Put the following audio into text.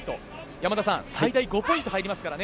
山田さん、最大５ポイント入りますからね。